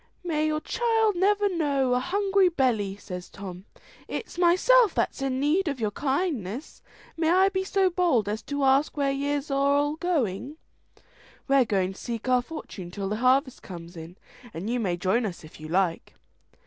"May your child never know a hungry belly!" says Tom; "it's myself that's in need of your kindness. May I be so bold as to ask where yez are all going?" "We're going to seek our fortune till the harvest comes in, and you may join us if you like."